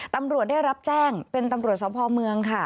ตำรวจได้รับแจ้งเป็นตำรวจสภเมืองค่ะ